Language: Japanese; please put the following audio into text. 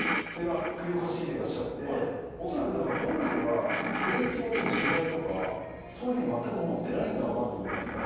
首をかしげてらっしゃっておそらくだから本人は勉強とか取材とかそういうふうにまったく思ってないんだろうなと思ったんですよね